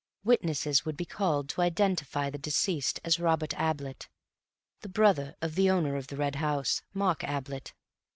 Witnesses would be called to identify the deceased as Robert Ablett, the brother of the owner of the Red House, Mark Ablett.